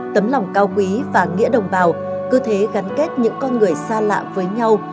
tấm lòng cao quý và nghĩa đồng bào cứ thế gắn kết những con người xa lạ với nhau